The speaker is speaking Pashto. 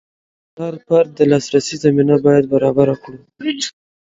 د هر فرد د لاسرسي زمینه باید برابره کړو.